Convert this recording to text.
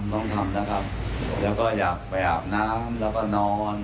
ต้องทำนะครับแล้วก็อยากไปอาบน้ำแล้วก็นอน